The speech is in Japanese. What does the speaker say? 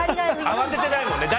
慌ててないもんね。